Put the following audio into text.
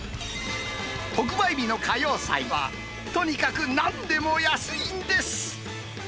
特売日の火曜祭は、とにかくなんでも安いんです。